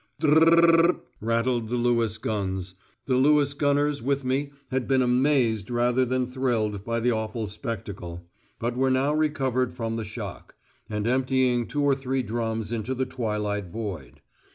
"Dr r r r r r," rattled the Lewis guns. The Lewis gunners with me had been amazed rather than thrilled by the awful spectacle, but were now recovered from the shock, and emptying two or three drums into the twilight void.